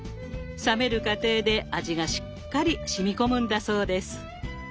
冷める過程で味がしっかりしみこむんだそうです。